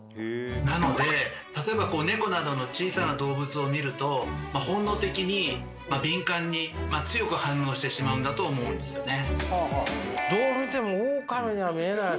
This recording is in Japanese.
なので例えば猫などの小さな動物を見ると本能的に敏感に強く反応してしまうんだと思うんですよね。